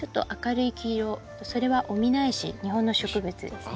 それはオミナエシ日本の植物ですね。